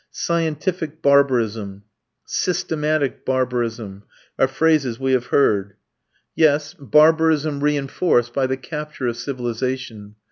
"Scientific barbarism," "systematic barbarism," are phrases we have heard. Yes, barbarism reinforced by the capture of civilization.